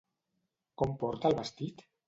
Com porta el vestit?